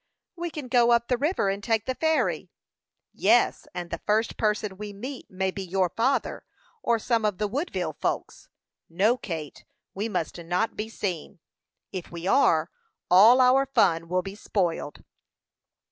"We can go up the river and take the ferry." "Yes; and the first person we meet may be your father, or some of the Woodville folks. No, Kate, we must not be seen; if we are, all our fun will be spoiled."